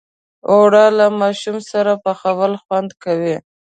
اوړه له ماشوم سره پخول خوند کوي